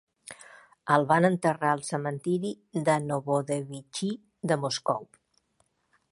El van enterrar al cementiri de Novodevichy de Moscou.